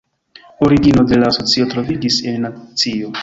Origino de la asocio troviĝis en Nancio.